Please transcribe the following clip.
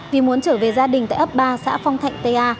vì muốn trở về gia đình tại ấp ba xã phong thạnh tây a